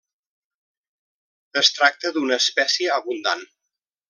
Es tracta d'una espècie abundant.